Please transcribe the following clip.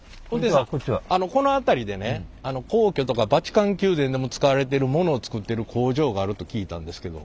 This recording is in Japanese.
この辺りでね皇居とかバチカン宮殿でも使われてるものを作ってる工場があると聞いたんですけど。